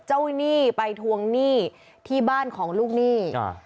หนี้ไปทวงหนี้ที่บ้านของลูกหนี้อ่า